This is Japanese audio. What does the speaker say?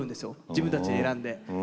自分たちで選んで。